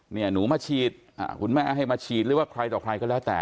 หนูมาฉีดคุณแม่ให้มาฉีดหรือว่าใครต่อใครก็แล้วแต่